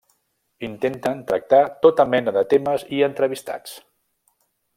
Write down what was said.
Intenten tractar tota mena de temes i entrevistats.